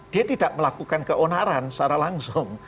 dia tidak melakukan keonaran secara langsung